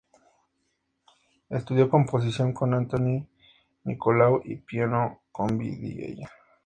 Estudió composición con Antoni Nicolau y piano con Vidiella.